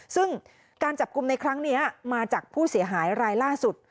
ซึ่งการจับกลุ่มในครั้งนี้มาจากผู้เสียหายรายล่าสุด